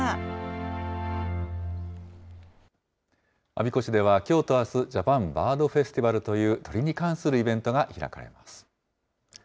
我孫子市では、きょうとあす、ジャパンバードフェスティバルという鳥に関するイベントが開かれます。